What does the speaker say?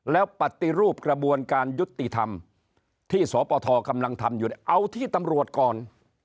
แล้วปฏิรูปกระบวนการยุติธรรมที่สปทกำลังทำอยู่เอาที่ตำรวจก่อน